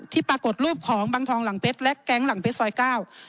ปรากฏรูปของบังทองหลังเพชรและแก๊งหลังเพชรซอยเก้า